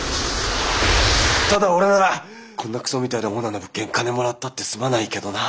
ただ俺ならこんなクソみたいなオーナーの物件金もらったって住まないけどな。